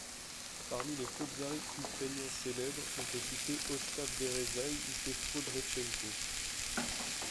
Parmi les kobzari ukrainiens célèbres, on peut citer Ostap Veresai ou Petro Drevchenko.